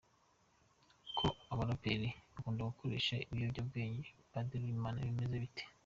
Ko abaraperi bakunda gukoresha ibiyobyabwenge, Padiri Uwimana bimeze bite?.